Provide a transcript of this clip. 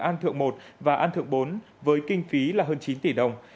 am thượng một và am thượng bốn với kinh phí là hơn chín tỷ đồng